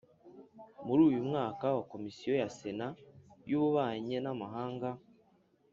Muri uyu mwaka wa Komisiyo ya Sena y Ububanyi n Amahanga